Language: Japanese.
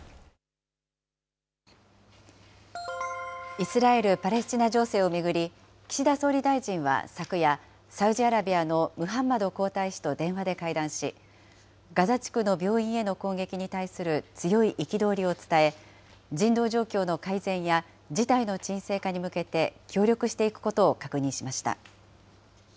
イスラエル・パレスチナ情勢を巡り、岸田総理大臣は昨夜、サウジアラビアのムハンマド皇太子と電話で会談し、ガザ地区の病院への攻撃に対する強い憤りを伝え、人道状況の改善や事態の沈静化に向けて協力していくことを確認しました。